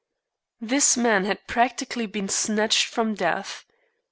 This man had practically been snatched from death.